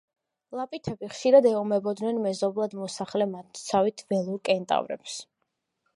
ლაპითები ხშირად ეომებოდნენ მეზობლად მოსახლე მათსავით ველურ კენტავრებს.